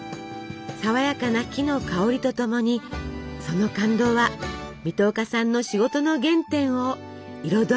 爽やかな木の香りとともにその感動は水戸岡さんの仕事の原点を彩り続けます。